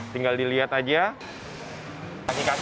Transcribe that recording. tinggal dilihat aja